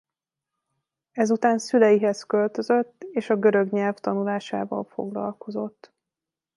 Ezután szüleihez költözött és a görög nyelv tanulásával foglalkozott.